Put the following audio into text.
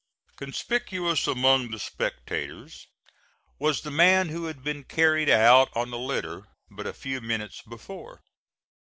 Conspicuous among the spectators was the man who had been carried out on a litter but a few minutes before.